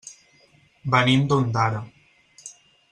Venim d'Ondara.